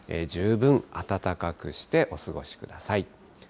十分暖かくしてお過ごしください。